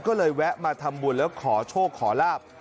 ก็เลยแวะมาทำบุญแล้วขอโชคขอลาบ